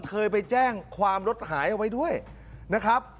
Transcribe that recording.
เคยไปแจ้งความรถหายเอาไว้ด้วยนะครับ